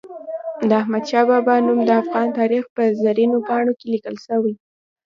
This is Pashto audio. د احمد شاه بابا نوم د افغان تاریخ په زرینو پاڼو کې لیکل سوی.